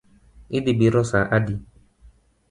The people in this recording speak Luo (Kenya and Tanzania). Idhi biro saa adi?